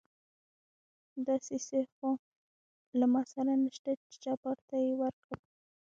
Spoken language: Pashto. داسې څه خو له ما سره نشته چې جبار ته يې ورکړم.